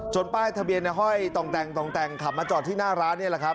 ป้ายทะเบียนห้อยต่องแต่งขับมาจอดที่หน้าร้านนี่แหละครับ